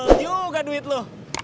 wih tebel juga duit lo